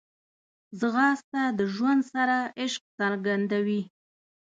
ځغاسته د ژوند سره عشق څرګندوي